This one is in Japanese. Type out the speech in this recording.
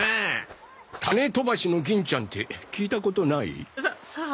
種飛ばしの銀ちゃんって聞いたことない？ささあ。